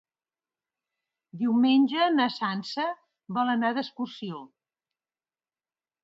Diumenge na Sança vol anar d'excursió.